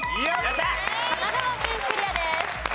神奈川県クリアです。